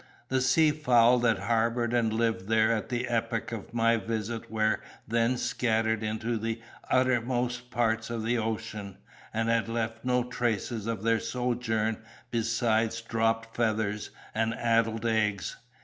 For the seafowl that harboured and lived there at the epoch of my visit were then scattered into the uttermost parts of the ocean, and had left no traces of their sojourn besides dropped feathers and addled eggs.